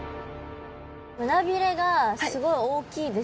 胸鰭がすごい大きいですね。